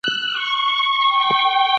ایا دا د زوی پټکه وه که یوازې یو نصیحت و؟